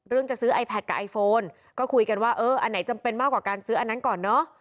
จะซื้อไอแพทกับไอโฟนก็คุยกันว่าเอออันไหนจำเป็นมากกว่าการซื้ออันนั้นก่อนเนอะ